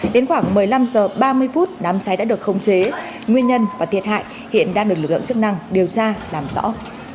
đến khoảng một mươi năm h ba mươi phút đám cháy đã được khống chế nguyên nhân và thiệt hại hiện đang được lực lượng chức năng điều tra làm rõ